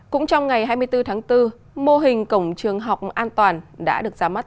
cũng trong ngày hai mươi bốn tháng bốn mô hình cổng trường học an toàn đã được ra mắt